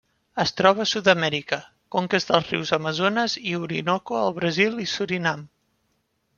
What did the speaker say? Es troba a Sud-amèrica: conques dels rius Amazones i Orinoco al Brasil i Surinam.